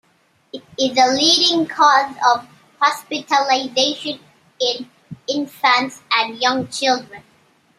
It is a leading cause of hospitalization in infants and young children.